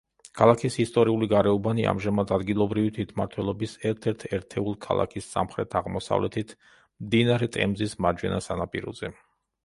ქალაქის ისტორიული გარეუბანი, ამჟამად ადგილობრივი თვითმმართველობის ერთ-ერთი ერთეული ქალაქის სამხრეთ-აღმოსავლეთით, მდინარე ტემზის მარჯვენა სანაპიროზე.